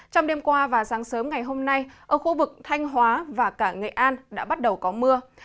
trong đêm qua và sáng sớm ngày hôm nay ở khu vực thanh hóa và cả nghệ an đã bắt đầu có mưa